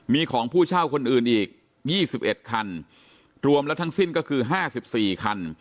มีของผู้เช่าคนอื่นอีก๒๑คันรวมแล้วทั้งสิ้นก็คือ๕๔คัน